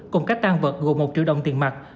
cùng các tan vật gồm một triệu đồng tiền mặt